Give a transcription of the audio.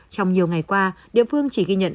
trong nhiều ngày qua địa phương chỉ ghi nhận